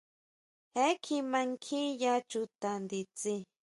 Je kjima nkjiya chuta nditsin.